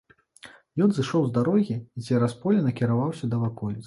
Ён зышоў з дарогі і цераз поле накіраваўся да ваколіцы.